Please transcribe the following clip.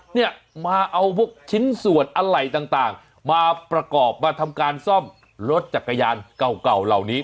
เนี่ยมาเอาพวกชิ้นส่วนอะไรต่างมาประกอบมาทำการซ่อมรถจักรยานเก่าเหล่านี้